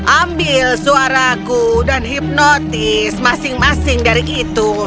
ambil suaraku dan hipnotis masing masing dari itu